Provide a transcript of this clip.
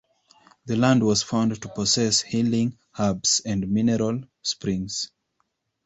The land was found to possess healing herbs and mineral springs.